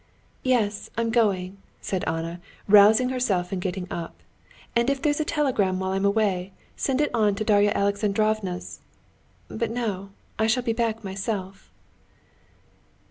"Yes, I'm going," said Anna, rousing herself and getting up. "And if there's a telegram while I'm away, send it on to Darya Alexandrovna's ... but no, I shall be back myself."